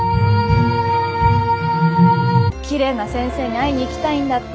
きれいな先生に会いに行きたいんだって。